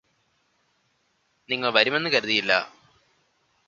നിങ്ങള് വരുമെന്ന് കരുതിയില്ലാ